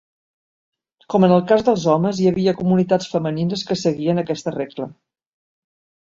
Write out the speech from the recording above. Com en el cas dels homes, hi havia comunitats femenines que seguien aquesta regla.